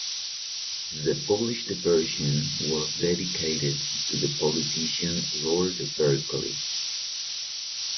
The published version was dedicated to the politician Lord Berkeley.